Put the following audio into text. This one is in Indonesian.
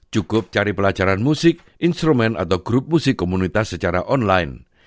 cukup cari pelajaran musik instrumen atau grup musik komunitas secara online